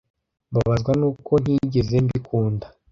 Mbabazwa n’uko ntigeze mbikunda